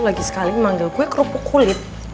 lu lagi sekali manggil gue kerupuk kulit